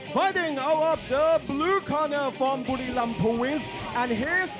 กำลังกำลังกำลังกำลังกำลังกำลังกำลัง